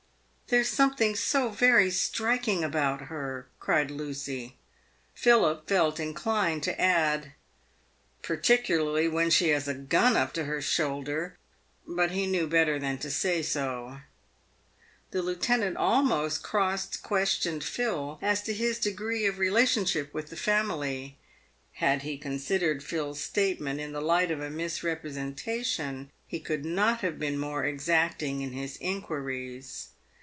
" There's something so very striking about her," cried Lucy. Philip felt inclined to add, " Particularly when she has a gun up to her shoulder ;" but he knew better than to say so. The lieutenant almost cross questioned Phil as to his degree of re lationship with the family. Had he considered Phil's statement in the light of a misrepresentation he could not have been more exacting in his inquiries.